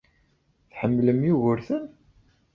Tḥemmlem Yugurten?